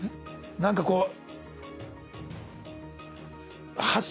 何かこう。